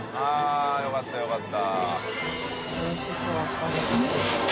佑よかったよかった。